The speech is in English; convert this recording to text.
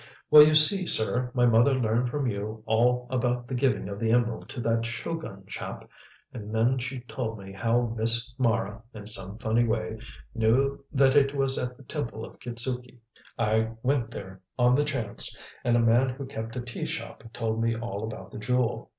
"Well, you see, sir, my mother learned from you all about the giving of the emerald to that Shogun chap, and then she told me how Miss Mara, in some funny way, knew that it was at the Temple of Kitzuki. I went there on the chance, and a man who kept a tea shop told me all about the jewel.